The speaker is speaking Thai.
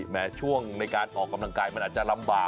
แม้ช่วงในการออกกำลังกายมันอาจจะลำบาก